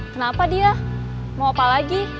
kenapa dia mau apa lagi